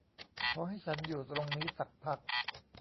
ขอให้ฉันอยู่ตรงนี้สักพัก